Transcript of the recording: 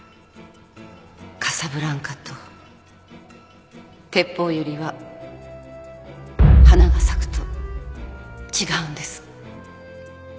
カサブランカとテッポウユリは花が咲くと違うんです。